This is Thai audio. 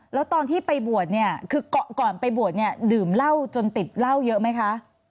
แล้วตอนที่ไปบวชเนี่ยคือก่อนไปบวชเนี่ยดื่มเหล้าจนติดเหล้าเยอะไหมคะ